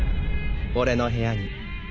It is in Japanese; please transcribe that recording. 俺の部屋に。